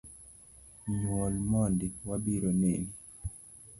Nyuol mondi, wabiro neni